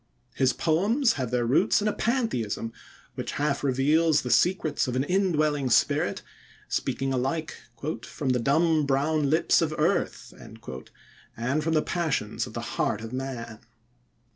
His poems have their roots in a pantheism which half reveals the secrets of an indwelling spirit, speaking alike "from the dumb brown lips of earth" and from the passions of the heart of man.